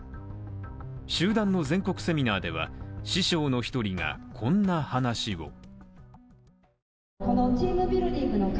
集団の全国セミナーでは師匠に一人が、こんな話を。